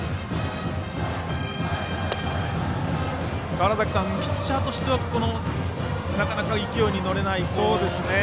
川原崎さん、ピッチャーとしてはなかなか勢いに乗れない展開になっていますね。